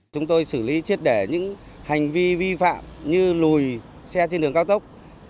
chúng tôi xử lý triệt để những hành vi vi phạm như lùi xe trên đường cao tốc